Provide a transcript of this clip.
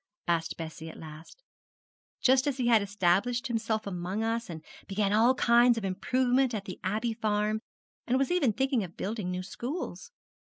asked Bessie at last; 'just as he had established himself among us, and begun all kinds of improvement at the Abbey farm, and was even thinking of building new schools.'